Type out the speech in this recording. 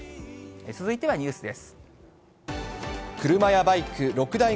続いてはニュースです。